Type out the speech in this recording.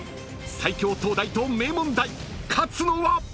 最強東大と名門大勝つのは⁉］